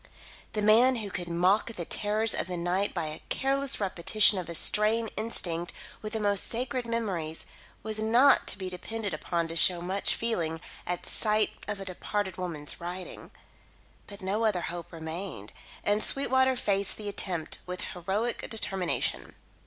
The man who could mock the terrors of the night by a careless repetition of a strain instinct with the most sacred memories, was not to be depended upon to show much feeling at sight of a departed woman's writing. But no other hope remained, and Sweetwater faced the attempt with heroic determination.